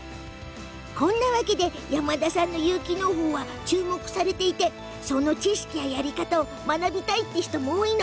こんなわけで山田さんの有機農法は注目されていてその知識や、やり方を学びたいって人が多いの。